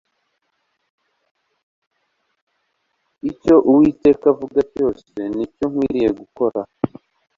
icyo uwiteka avuga cyose ni cyo nkwiriye gukora